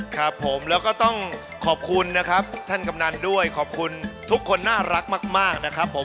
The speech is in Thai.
ครับผมแล้วก็ต้องขอบคุณนะครับท่านกำนันด้วยขอบคุณทุกคนน่ารักมากนะครับผม